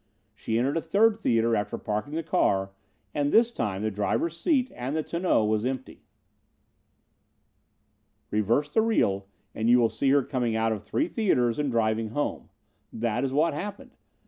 She entered a third theater after parking the car and this time the driver's seat and the tonneau was empty. "Reverse the reel and you will see her coming out of three theaters and driving home. That is what happened.